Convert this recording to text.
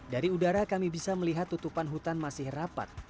dari udara kami bisa melihat tutupan hutan masih rapat